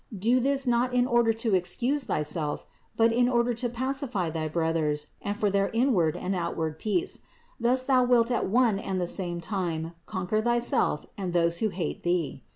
Do this not in order to ex cuse thyself, but in order to pacify thy brothers and for their inward and outward peace; thus thou wilt at one and the same time conquer thyself and those who hate thee.